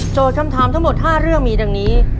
คำถามทั้งหมด๕เรื่องมีดังนี้